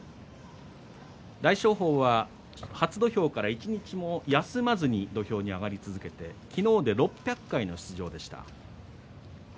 大翔鵬は、初土俵から一日も休まずに土俵に上がり続けて昨日で６００回の出場でした。